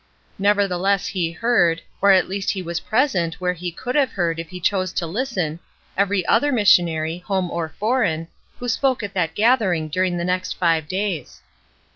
Nevertheless he heard, or at least he was present where he could have heard if he chose to listen, every other missionary, home or foreign, who spoke at that gathering dur ing the next five days.